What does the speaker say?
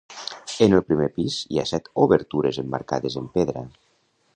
En el primer pis hi ha set obertures emmarcades en pedra.